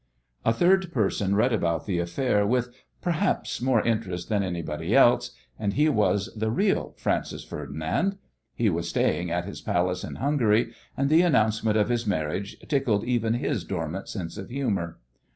A third person read about the affair with, perhaps, more interest than anybody else, and he was the real Francis Ferdinand. He was staying at his palace in Hungary, and the announcement of his marriage tickled even his dormant sense of humour.